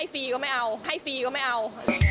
ฟรีก็ไม่เอาให้ฟรีก็ไม่เอา